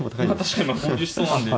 確かにまあ合流しそうなんで。